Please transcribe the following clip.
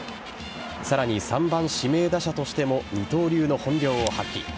さらに３番・指名打者としても二刀流の本領を発揮。